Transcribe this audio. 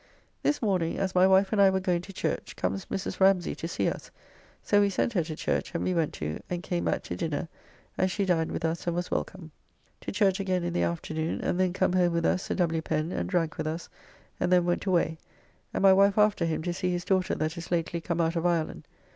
This morning as my wife and I were going to church, comes Mrs. Ramsay to see us, so we sent her to church, and we went too, and came back to dinner, and she dined with us and was wellcome. To church again in the afternoon, and then come home with us Sir W. Pen, and drank with us, and then went away, and my wife after him to see his daughter that is lately come out of Ireland.